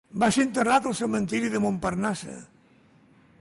Va ser enterrat al cementeri de Montparnasse.